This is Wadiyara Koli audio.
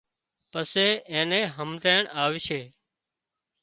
پسي اين نِين همزيڻ آوشي